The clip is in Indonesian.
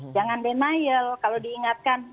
jangan denial kalau diingatkan